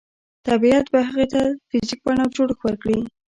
طبیعت به هغې ته فزیکي بڼه او جوړښت ورکړي